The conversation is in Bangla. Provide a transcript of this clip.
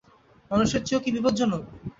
মানুষের চেয়েও কি বিপজ্জনক?